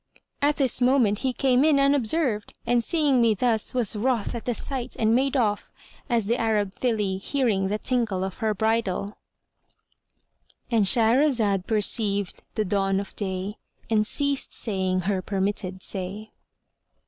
At this moment he came in unobserved and, seeing me thus, was wroth at the sight and made off, as the Arab filly hearing the tinkle of her bridle."——And Shahrazad perceived the dawn of day and ceased saying her permitted say.